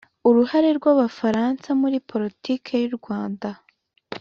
uruhare rw Abafaransa muri poritiki y u Rwanda